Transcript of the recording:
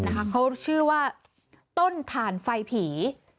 เขาชื่อว่าต้นถ่านไฟผี